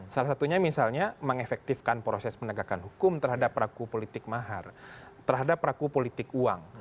salah satunya misalnya mengefektifkan proses penegakan hukum terhadap raku politik mahar terhadap raku politik uang